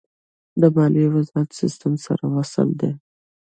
د مالیې وزارت سیستم سره وصل دی؟